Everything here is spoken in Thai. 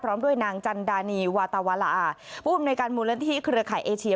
พร้อมด้วยนางจันดานีวาตวาลาผู้อำนวยการมูลนิธิเครือข่ายเอเชีย